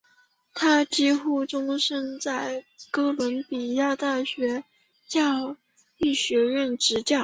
他几乎终生在哥伦比亚大学教育学院执教。